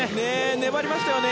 粘りましたね。